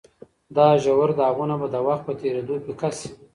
دا ژور داغونه به د وخت په تېرېدو پیکه شي.